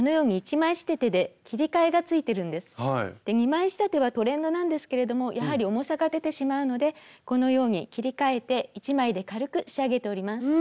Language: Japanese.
２枚仕立てはトレンドなんですけれどもやはり重さが出てしまうのでこのように切り替えて１枚で軽く仕上げております。